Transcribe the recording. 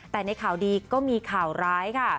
แต่ในข่าวดีก็มีข่าวร้ายค่ะ